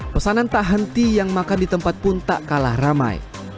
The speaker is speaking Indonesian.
pesanan tak henti yang makan di tempat pun tak kalah ramai